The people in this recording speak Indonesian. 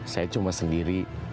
saya cuma sendiri